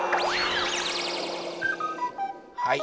はい！